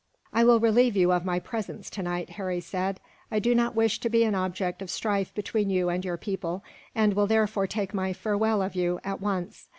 "I will relieve you of my presence, tonight," Harry said. "I do not wish to be an object of strife between you and your people, and will therefore take my farewell of you, at once.